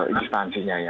itu instansinya ya